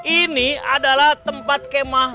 ini adalah tempat kemah